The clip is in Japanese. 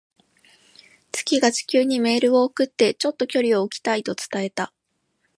月が地球にメールを送って、「ちょっと距離を置きたい」と伝えた。